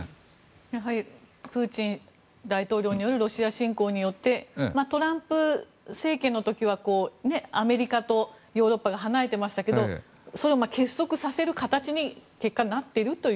やはりプーチン大統領によるウクライナ侵攻によってトランプ政権の時はアメリカとヨーロッパが離れていましたけれど結束させる形に結果、なっているという。